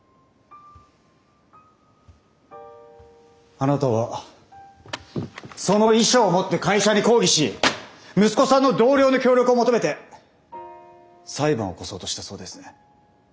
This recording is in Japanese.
あなたはその遺書を持って会社に抗議し息子さんの同僚の協力を求めて裁判を起こそうとしたそうですね。